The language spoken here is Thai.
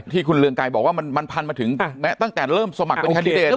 ที่คุณเรืองไกรบอกว่ามันพันมาถึงตั้งแต่เริ่มสมัครเป็นแคนดิเดต